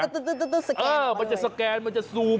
มันจะสแกนเขาเลยเออมันจะสแกนมันจะซูม